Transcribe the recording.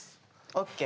ＯＫ。